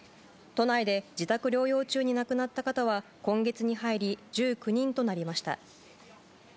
都内で自宅療養中に亡くなった方は今月に入り１９人となりました。